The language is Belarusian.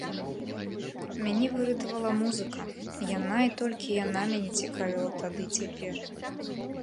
Мяне выратавала музыка, яна і толькі яна мяне цікавіла тады і цяпер.